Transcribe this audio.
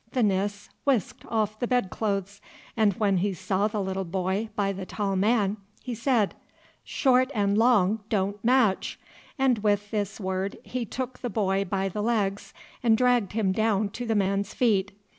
The Nis whisked off the bed clothes, and when he saw the little boy by the tall man, he said "Short and long don't match," and with this word he took the boy by the legs and dragged him down to the man's feet.